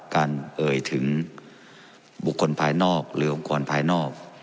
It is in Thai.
เอ่ยถึงบุคคลภายนอกหรือองค์กรภายนอก